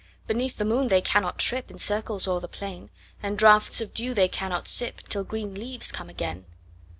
Beneath the moon they cannot tripIn circles o'er the plain; And draughts of dew they cannot sipTill green leaves come again.